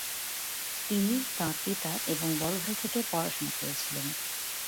তিনি তাঁর পিতা এবং বড় ভাই থেকে পড়াশোনা করেছিলেন।